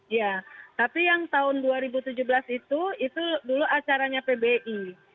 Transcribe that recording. iya tapi yang tahun dua ribu tujuh belas itu itu dulu acaranya pbi